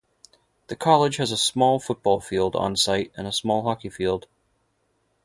The college has a small football field on site and a small hockey field.